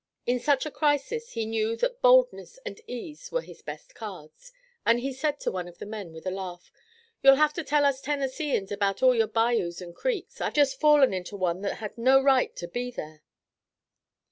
In such a crisis he knew that boldness and ease were his best cards, and he said to one of the men, with a laugh: "You'll have to tell us Tennesseeans about all your bayous and creeks. I've just fallen into one that had no right to be there."